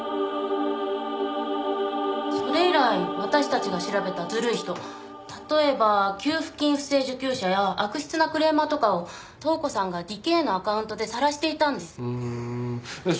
それ以来私たちが調べたずるい人例えば給付金不正受給者や悪質なクレーマーとかを塔子さんがディケーのアカウントで晒していたんです。